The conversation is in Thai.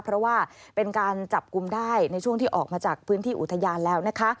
เพราะว่าเป็นการจับกลุ่มได้ในช่วงที่ออกมาจากพื้นที่อุทยานแล้วนะคะ